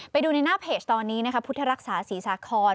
ไปดูในหน้าเพจตอนนี้นะคะพุทธรักษาศรีสาคร